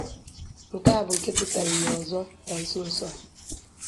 Nke a bụ nke pụtara ìhè ọzọ na nso-nso a